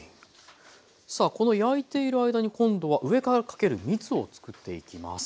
さあこの焼いている間に今度は上からかけるみつをつくっていきます。